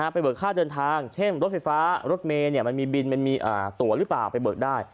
เบิกค่าเดินทางเช่นรถไฟฟ้ารถเมย์มันมีบินมันมีตัวหรือเปล่าไปเบิกได้